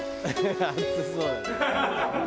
「熱そうだね」